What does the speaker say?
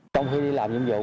trong khi đi làm nhiệm vụ